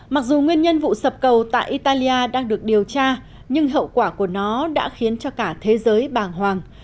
mặc dù nguyên nhân vụ sập cầu tại italia đang được điều tra nhưng hậu quả của nó đã khiến cho cả thế giới bàng hoàng